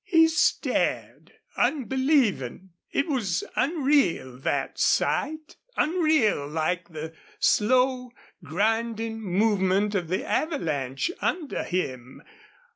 He stared, unbelieving. It was unreal, that sight unreal like the slow, grinding movement of the avalanche under him.